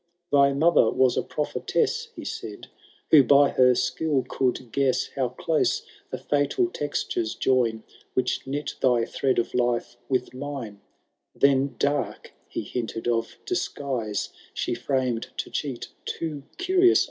Thy mother was a prophetess. He said, who by her skill could guess How close the fatal textures join Which knit thy thread of life with mine ; Then, dark, he hinted of disguise She framed to cheat too curious eyes.